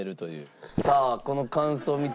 さあこの感想見て。